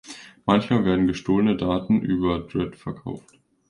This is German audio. Manchmal werden gestohlene Daten über Dread verkauft.